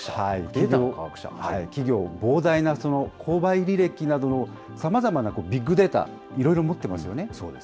企業の膨大な購買履歴などのさまざまなビッグデータ、いろいろ持ってますよね。